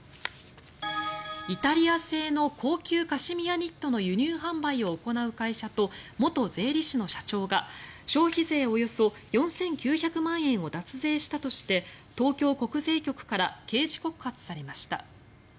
イタリア製の高級カシミヤニットの輸入販売を行う会社と元税理士の社長が消費税およそ４９００万円を脱税したとして、東京国税局から刑事告発されました。